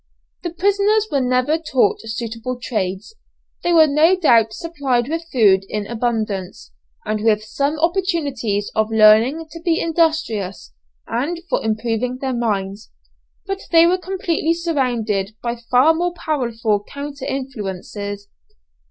The prisoners were never taught suitable trades, they were no doubt supplied with food in abundance, and with some opportunities of learning to be industrious and for improving their minds, but they were completely surrounded by far more powerful counter influences.